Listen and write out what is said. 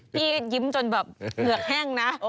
พี่ยิ้มจนแบบเหงือกแห้งนะ